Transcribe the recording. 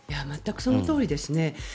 全くそのとおりですね。